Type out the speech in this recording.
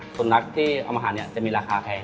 สุนัขที่เอามาหาเนี่ยจะมีราคาแพง